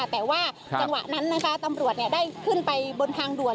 แต่ว่าจังหวะนั้นนะคะตำรวจได้ขึ้นไปบนทางด่วน